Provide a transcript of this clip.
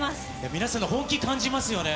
皆さんの本気、感じますよね。